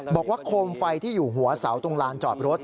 โคมไฟที่อยู่หัวเสาตรงลานจอดรถ